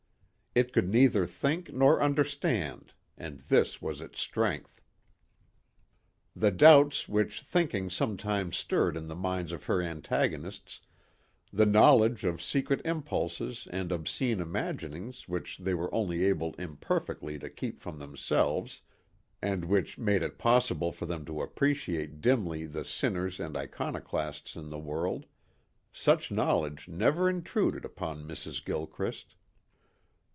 It could neither think nor understand and this was its strength. The doubts which thinking sometimes stirred in the minds of her antagonists, the knowledge of secret impulses and obscene imaginings which they were able only imperfectly to keep from themselves and which made it possible for them to appreciate dimly the sinners and iconoclasts in the world such knowledge never intruded upon Mrs. Gilchrist.